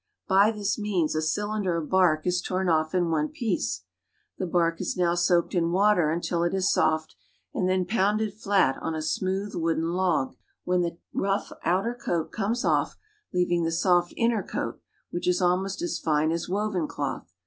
By this means a cylinder of bark is torn off in one piece. The bark is now soaked in water until it is soft, and then pounded flat on a smooth, wooden log, when the rough outer coat comes off, leaving the soft inner coat, which is almost as fine as woven cloth.